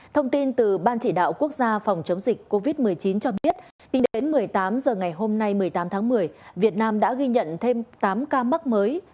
thông tin từ ban chỉ đạo quốc gia phòng chống dịch covid một mươi chín cho biết tính đến một mươi tám h ngày hôm nay một mươi tám tháng một mươi việt nam đã ghi nhận thêm tám ca mắc mới